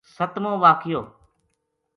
سَتمو واقعو